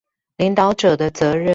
領導者的責任